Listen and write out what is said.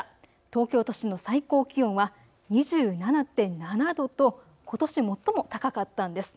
東京都心、最高気温は２７．７度とことし最も高かったんです。